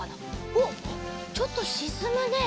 おっちょっとしずむね。